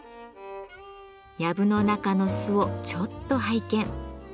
やぶの中の巣をちょっと拝見。